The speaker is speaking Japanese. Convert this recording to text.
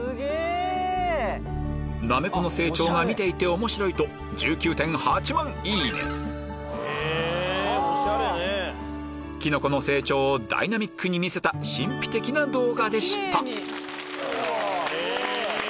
なめこの成長が見ていて面白い！ときのこの成長をダイナミックに見せた神秘的な動画でしたへぇ！